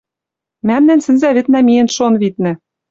Мӓмнӓн сӹнзӓвӹднӓ миэн шон, виднӹ